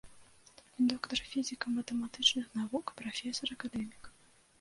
Доктар фізіка-матэматычных навук, прафесар, акадэмік.